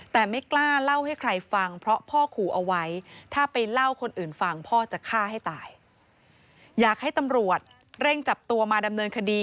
แต่ไม่กล้าเล่าให้ใครฟังเพราะพ่อขู่เอาไว้